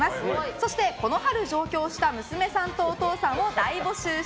そして、この春上京した娘さんとお父さんを大募集！